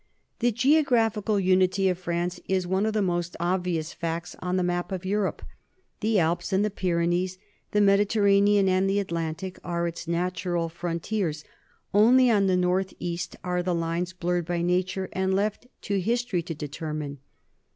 The geographical unity of France is one of the most obvious facts on the map of Europe. The Alps and the Pyrenees, the Mediterranean and the Atlantic, are its natural frontiers; only on the northeast are the lines blurred by nature and left to history to determine.